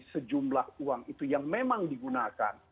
sejumlah uang itu yang memang digunakan